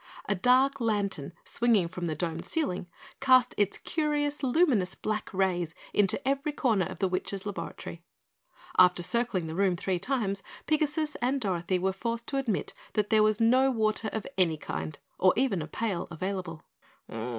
A dark lantern swinging from the domed ceiling cast its curious luminous black rays into every corner of the witch's laboratory. After circling the room three times, Pigasus and Dorothy were forced to admit there was no water of any kind or even a pail available.